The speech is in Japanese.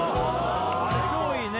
あれ超いいね